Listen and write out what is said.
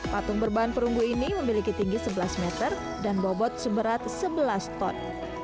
patung berbahan perunggu ini memiliki tinggi sebelas meter dan bobot seberat sebelas ton